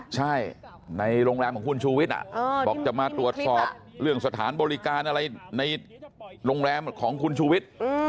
ใช่ในโรงแรมของคุณชูวิทย์บอกจะมาตรวจสอบเรื่องสถานบริการอะไรในโรงแรมของคุณชูวิทย์